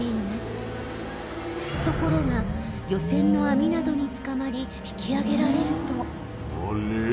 ところが漁船のあみなどにつかまり引きあげられるとあれ？